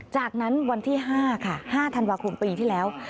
จากนั้นวันที่๕ค่ะ๕ธันวาคมปีที่แล้ว